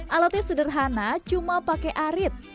alatnya sederhana cuma pakai arit